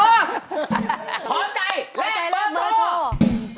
ขอใจแลกเบอร์ท่อ